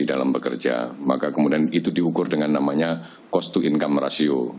dalam bekerja maka kemudian itu diukur dengan namanya cost to income ratio